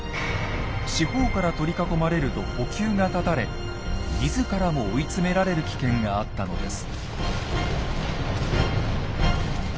四方から取り囲まれると補給が絶たれ自らも追い詰められる危険があったのです。